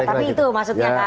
tapi itu maksudnya